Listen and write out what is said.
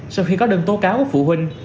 sau khi có đơn tố cáo của phụ huynh